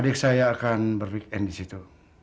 adik saya akan berpikir di situ